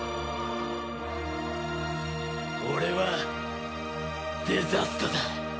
俺はデザストだ。